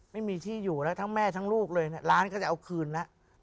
ไม่มีที่อยู่แล้วทั้งแม่ทั้งลูกเลยร้านก็จะเอาคืนแล้ว